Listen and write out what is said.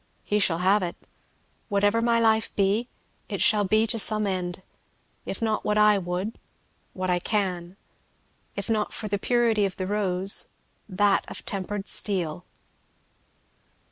He shall have it. Whatever my life be, it shall be to some end. If not what I would, what I can. If not the purity of the rose, that of tempered steel!"